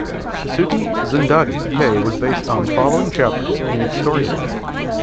Kasautii Zindagii Kay was based on following chapters in its storyline.